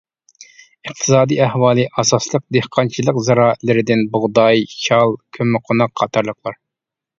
ئىقتىسادىي ئەھۋالى ئاساسلىق دېھقانچىلىق زىرائەتلىرىدىن بۇغداي، شال، كۆممىقوناق قاتارلىقلار.